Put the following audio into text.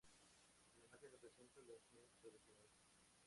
La imagen representa la enseñanza tradicional.